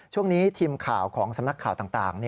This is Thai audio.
ช่วงนี้ทีมข่าวของสำนักข่าวต่าง